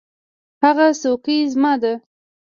هغه څوکۍ زما ده.